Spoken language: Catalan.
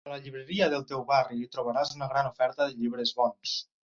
A la Llibreria del teu barri hi trobaràs una gran oferta de llibres bons.